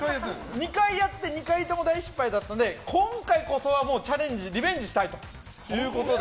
２回やって２回とも大失敗だったので今回こそはチャレンジリベンジしたいということで。